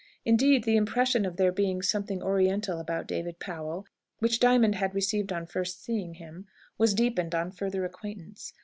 Indeed, the impression of there being something oriental about David Powell, which Diamond had received on first seeing him, was deepened on further acquaintance.